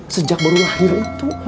sejak baru lahir itu